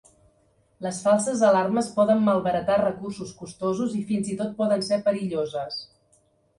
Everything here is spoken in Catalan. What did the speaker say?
Les falses alarmes poden malbaratar recursos costosos i fins i tot poden ser perilloses.